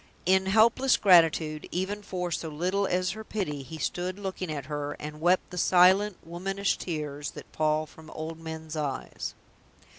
In helpless gratitude, even for so little as her pity, he stood looking at her, and wept the silent, womanish tears that fall from old men's eyes.